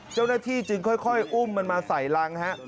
เจ้าหน้าที่จึงค่อยอุ้มมันมาใส่รังฮะ